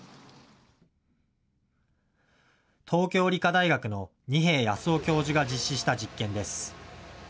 東京理科大学の二瓶泰雄教授が実施した実験です。